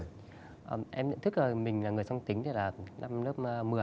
em nhận thức là mình là người song tính từ năm lớp một mươi